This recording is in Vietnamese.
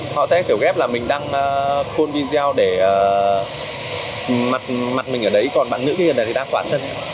họ sẽ kiểu ghép là mình đăng pull video để mặt mình ở đấy còn bạn nữ kia thì đa khoản hơn